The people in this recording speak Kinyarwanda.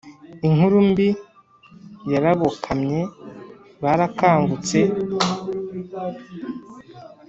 inkuru mbi yarabokamye barakamutse,